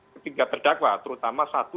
ketiga terdakwa terutama satu